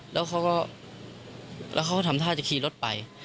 แล้วเขาก็แล้วเขาก็ทำท่าจะขี่รถไป